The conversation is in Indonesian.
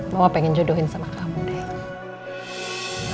mama pengen jodohin sama kamu deh